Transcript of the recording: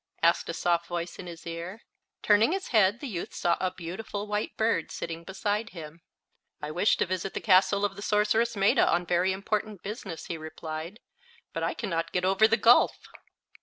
asked a soft voice in his ear. Turning his head the youth saw a beautiful white bird sitting beside him. "I wish to visit the castle of the sorceress Maetta on very important business," he replied, "but I can not get over the gulf."